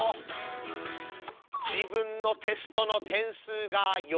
「自分のテストの点数がよいと」